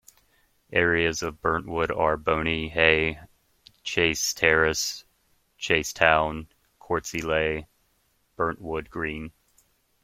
Areas of Burntwood are Boney Hay, Chase Terrace, Chasetown, Gorstey Lea and Burntwood Green.